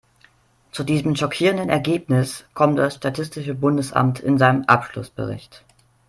Zu diesem schockierenden Ergebnis kommt das statistische Bundesamt in seinem Abschlussbericht.